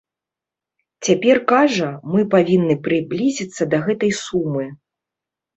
Цяпер кажа, мы павінны прыблізіцца да гэтай сумы.